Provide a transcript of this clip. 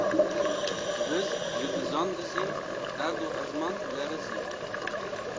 Diz ji dizan dizî, erd û ezman lerizî